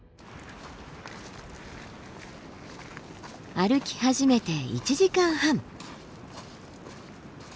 歩き始めて１時間半。